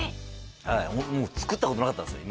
僕僕作ったことなかったんですよ